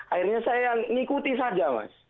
akhirnya saya yang ikuti saja mas